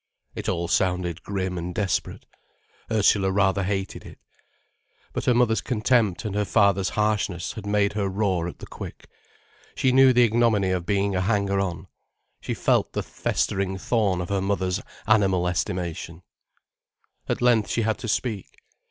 It all sounded grim and desperate. Ursula rather hated it. But her mother's contempt and her father's harshness had made her raw at the quick, she knew the ignominy of being a hanger on, she felt the festering thorn of her mother's animal estimation. At length she had to speak.